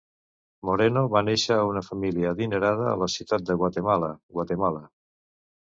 Moreno va néixer a una família adinerada a la ciutat de Guatemala, Guatemala.